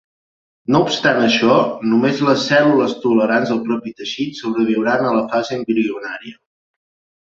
No obstant això, només les cèl·lules tolerants al propi teixit sobreviuran a la fase embrionària.